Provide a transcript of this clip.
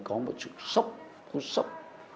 có một sự sốc khu sốc